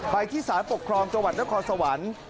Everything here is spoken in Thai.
ไปที่สารปกครองจังหวัดนครสวรรค์